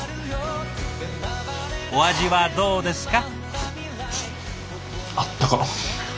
お味はどうですか？